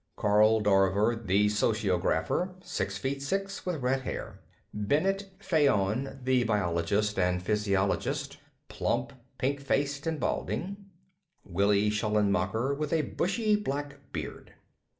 Karl Dorver, the sociographer, six feet six, with red hair. Bennet Fayon, the biologist and physiologist, plump, pink faced and balding. Willi Schallenmacher, with a bushy black beard....